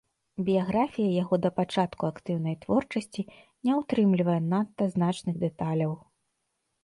Біяграфія яго да пачатку актыўнай творчасці не ўтрымлівае надта значных дэталяў.